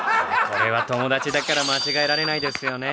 これは友達だから間違えられないですよね。